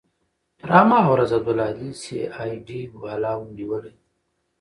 پر هماغه ورځ عبدالهادي سي آى ډي والاو نيولى.